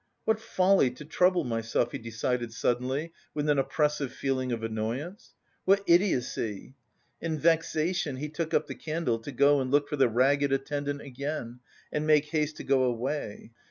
"What folly to trouble myself," he decided suddenly with an oppressive feeling of annoyance. "What idiocy!" In vexation he took up the candle to go and look for the ragged attendant again and make haste to go away.